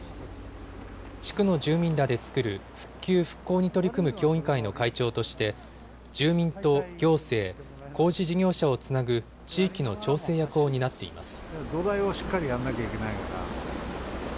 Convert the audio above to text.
地区の住民らで作る復旧・復興に取り組む協議会の会長として、住民と行政、工事事業者をつなぐ地域の調整役を担っています。